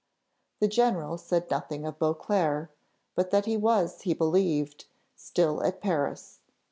The general said nothing of Beauclerc, but that he was, he believed, still at Paris.